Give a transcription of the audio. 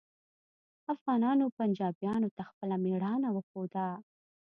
افغانانو پنجابیانو ته خپله میړانه وښوده